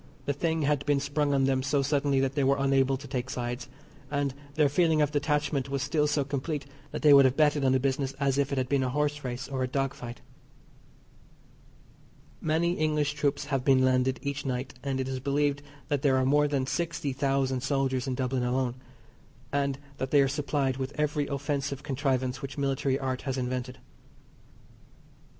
The thing had been sprung on them so suddenly that they were unable to take sides, and their feeling of detachment was still so complete that they would have betted on the business as if it had been a horse race or a dog fight. Many English troops have been landed each night, and it is believed that there are more than sixty thousand soldiers in Dublin alone, and that they are supplied with every offensive contrivance which military art has invented.